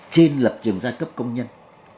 trên lập trường giai cấp công nhân